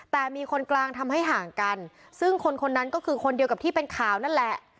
แต่มีคนกลางทำให้ห่างกันซึ่งคนคนนั้นก็คือคนเดียวกับที่เป็นข่าวนั่นแหละ